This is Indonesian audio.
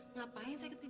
ngapain saya ke gedung